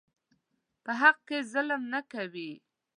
په حق کې ظلم نه کوي.